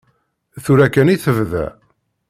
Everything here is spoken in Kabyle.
Tura kan i tebda.